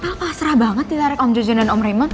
mel pasrah banget ditarik om jojo dan om raymond